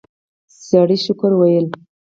سړی شکر ویلی.